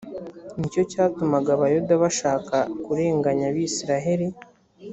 ni cyo cyatumaga abayuda bashaka kurenganya abisilaheli